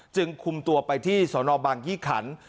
จึงคุมตัวไปที่สนบางยี่ขัน